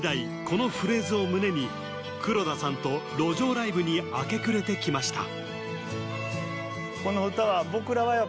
このフレーズを胸に黒田さんと路上ライブに明け暮れてきました